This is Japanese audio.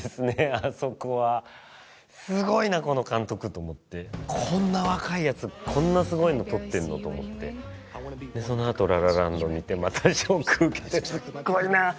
あそこはすごいなこの監督！と思ってこんな若いやつこんなすごいの撮ってんのと思ってでそのあと「ラ・ラ・ランド」見てまたショック受けてすっごいなあ！